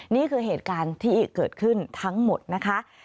นี่คือเหตุการณ์ที่เกิดขึ้นทั้งหมดนะคะ